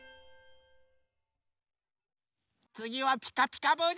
つぎは「ピカピカブ！」ですよ。